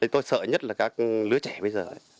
tôi sợ nhất là các lứa trẻ bây giờ